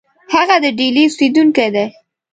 هغه د ډهلي اوسېدونکی دی.